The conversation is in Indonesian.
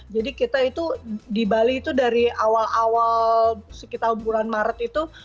jadi kita itu di bali itu dari awal awal sekitar bulan maret itu